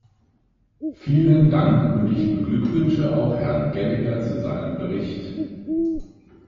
Vielen Dank, und ich beglückwünsche auch Herrn Gallagher zu seinem Bericht.